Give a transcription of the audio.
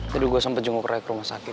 tadi gue sempet jenguk ray ke rumah sakit